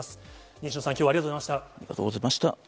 西野さん、きょうはありがとうごありがとうございました。